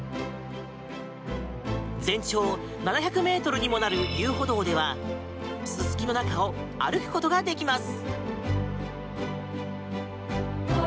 全長７００ｍにもなる遊歩道ではススキの中を歩くことができます。